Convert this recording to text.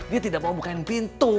dia tidak mau bukain pintu